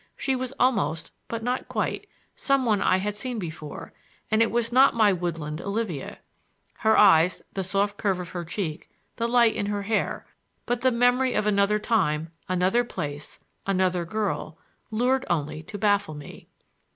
She was almost, but not quite, some one I had seen before, and it was not my woodland Olivia. Her eyes, the soft curve of her cheek, the light in her hair,—but the memory of another time, another place, another girl, lured only to baffle me.